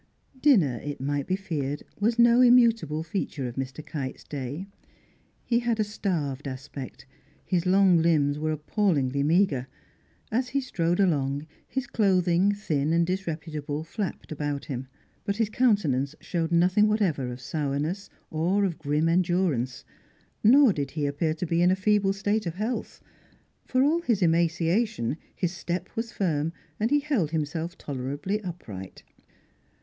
Dinner, it might be feared, was no immutable feature of Mr. Kite's day. He had a starved aspect; his long limbs were appallingly meagre; as he strode along, his clothing, thin and disreputable, flapped about him. But his countenance showed nothing whatever of sourness, or of grim endurance. Nor did he appear to be in a feeble state of health; for all his emaciation, his step was firm and he held himself tolerably upright.